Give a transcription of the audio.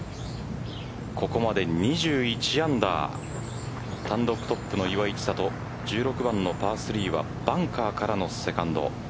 ここまで２１アンダー単独トップの岩井千怜１６番のパー３はバンカーからのセカンド。